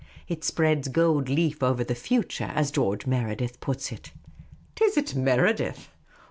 " It spreads gold leaf over the future, as George Meredith puts it." "Is it Meredith